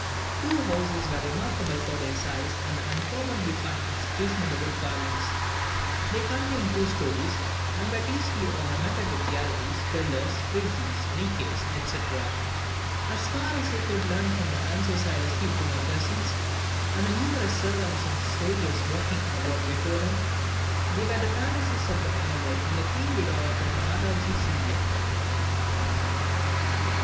Two houses were remarkable for their size and the uncommonly fine execution of the wood carvings. They contained two stories, and were very tastefully ornamented with galleries, pillars, friezes, niches, etc. As far as I could learn from the answers I received to my questions, and the numerous servants and soldiers walking about before them, they were the palaces of the aumil and the Queen Widow of Madhadji Sindhia.